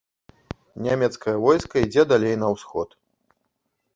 Нямецкае войска ідзе далей на ўсход.